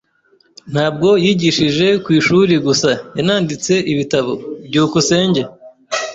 Ntabwo yigishije ku ishuri gusa, yananditse ibitabo. byukusenge